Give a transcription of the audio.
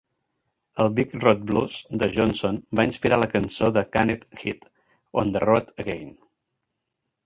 El "Big Road Blues" de Johnson va inspirar la cançó de Canned Heat "On the Road Again".